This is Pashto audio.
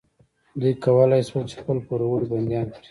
دوی کولی شول چې خپل پوروړي بندیان کړي.